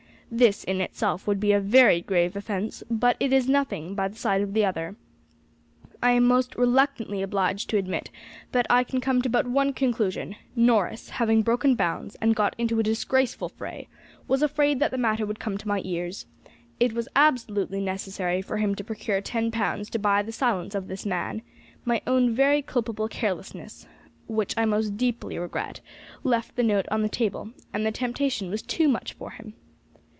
"This, in itself, would be a very grave offence, but it is as nothing by the side of the other. I am most reluctantly obliged to admit that I can come to but one conclusion: Norris, having broken bounds, and got into a disgraceful fray, was afraid that the matter would come to my ears. It was absolutely necessary for him to procure ten pounds to buy the silence of this man; my own very culpable carelessness, which I most deeply regret, left the note on the table, and the temptation was too much for him.